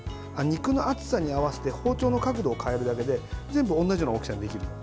肉の厚さに合わせて包丁の角度を変えるだけで全部同じような大きさにできる。